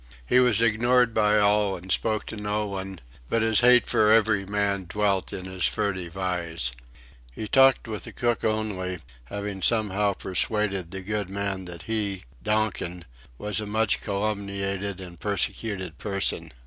He was ignored by all and spoke to no one, but his hate for every man dwelt in his furtive eyes. He talked with the cook only, having somehow persuaded the good man that he Donkin was a much calumniated and persecuted person.